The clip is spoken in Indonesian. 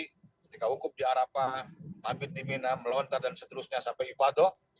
ketika hukum di arafah mabit di mina melontar dan seterusnya sampai ibadah